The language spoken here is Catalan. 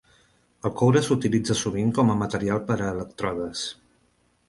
El coure s'utilitza sovint com a material per a elèctrodes.